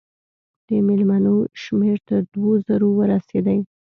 د مېلمنو شمېر تر دوو زرو ورسېدی.